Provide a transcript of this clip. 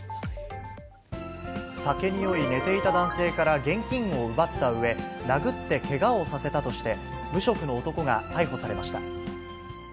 酒に酔い寝ていた男性から現金を奪ったうえ、殴ってけがをさせたとして、無職の男が逮捕されました。